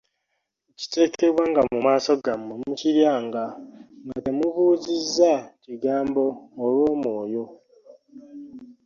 Ekiteekebwanga mu maaso gammwe mukiryanga, nga temubuuzizza kigambo olw'omwoyo.